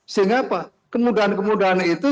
sehingga apa kemudahan kemudahan itu